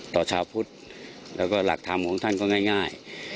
ต่อชาวพุทธและรักษทำก็ง่าย